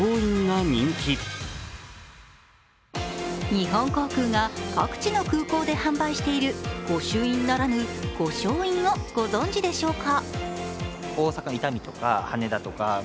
日本航空が各地の空港で販売している御朱印ならぬ御翔印をご存じでしょうか？